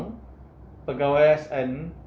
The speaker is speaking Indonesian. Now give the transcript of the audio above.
dan pegawai sn